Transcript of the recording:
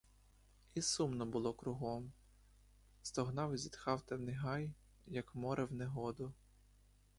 І сумно було кругом: стогнав і зітхав темний гай, як море в негоду.